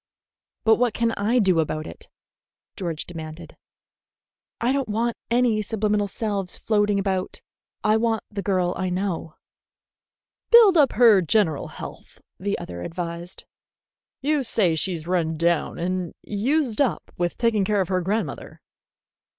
"But what can I do about it?" George demanded. "I don't want any subliminal selves floating about. I want the girl I know." "Build up her general health," the other advised. "You say she's run down and used up with taking care of her grandmother.